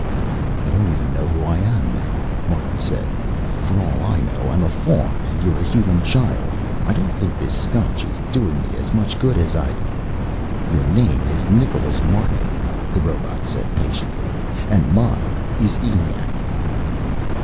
"I don't even know who I am, now," Martin said. "For all I know, I'm a faun and you're a human child. I don't think this Scotch is doing me as much good as I'd " "Your name is Nicholas Martin," the robot said patiently. "And mine is ENIAC."